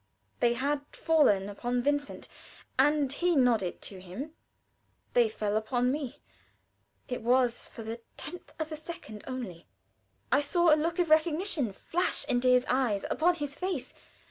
They had fallen upon Vincent, and he nodded to him. They fell upon me. It was for the tenth of a second only. I saw a look of recognition flash into his eyes upon his face.